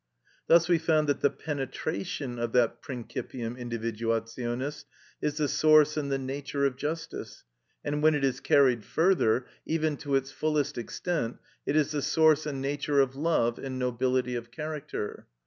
Thus we found that the penetration of that principium individuationis is the source and the nature of justice, and when it is carried further, even to its fullest extent, it is the source and nature of love and nobility of character.